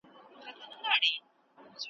چي په خیال کي سوداګر د سمرقند وو .